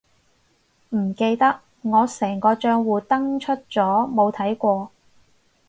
唔記得，我成個帳戶登出咗冇睇過